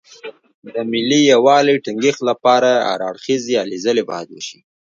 د ملي یووالي ټینګښت لپاره هر اړخیزې هلې ځلې باید وشي.